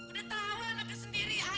sudah tahu anaknya sendiri ayan